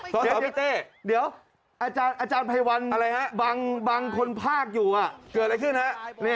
สอสสพี่เต้เดี๋ยวอาจารย์ภัยวรรณบางคนภาคอยู่อ่ะเกิดอะไรขึ้นฮะ